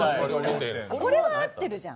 これは合ってるじゃん。